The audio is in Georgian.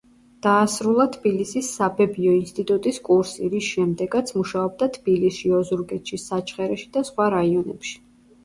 დაასრულა თბილისის საბებიო ინსტიტუტის კურსი, რის შემდეგაც მუშაობდა თბილისში, ოზურგეთში, საჩხერეში და სხვა რაიონებში.